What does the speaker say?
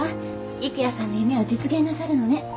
郁弥さんの夢を実現なさるのね。